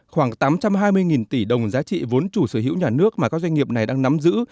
khoảng tám trăm hai mươi tỷ đồng giá trị vốn chủ sở hữu nhà nước mà các doanh nghiệp này đang nắm giữ